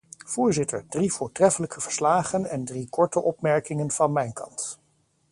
Voorzitter, drie voortreffelijke verslagen en drie korte opmerkingen van mijn kant.